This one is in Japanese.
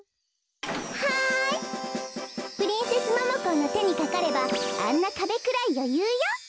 はいプリンセスモモコーのてにかかればあんなかべくらいよゆうよ。